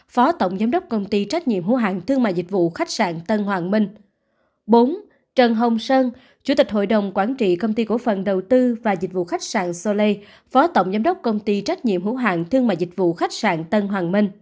phó tổng giám đốc công ty trách nhiệm hữu hạng thương mại dịch vụ khách sạn tân hoàng minh